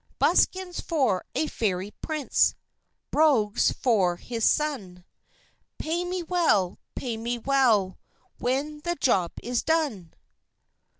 Buskins for a Fairy Prince, Brogues for his son, Pay me well, pay me well, When the job is done!